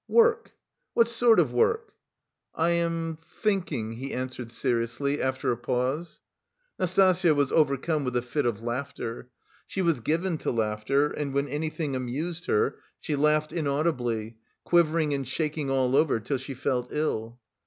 "Work..." "What sort of work?" "I am thinking," he answered seriously after a pause. Nastasya was overcome with a fit of laughter. She was given to laughter and when anything amused her, she laughed inaudibly, quivering and shaking all over till she felt ill.